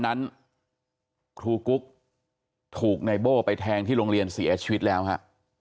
นั้นครูกุ๊กถูกในโบ้ไปแทงที่โรงเรียนเสียชีวิตแล้วฮะ